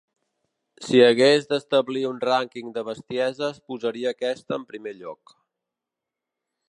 Si hagués d'establir un rànquing de bestieses posaria aquesta en primer lloc.